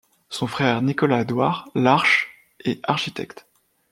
Son frère, Nicolas-Édouard Larche, est architecte.